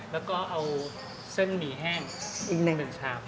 แล้วก็เอาเส้นหมี่แห้ง๑ชาม